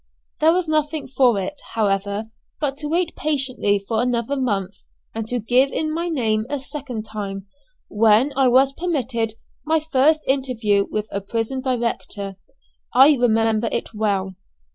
There was nothing for it, however, but to wait patiently for another month, and to give in my name a second time, when I was permitted my first interview with a prison director. I remember it well.